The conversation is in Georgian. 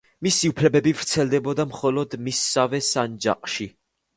მისი უფლებები ვრცელდებოდა მხოლოდ მისსავე სანჯაყში.